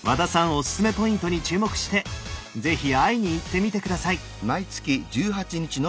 オススメポイントに注目して是非会いに行ってみて下さい。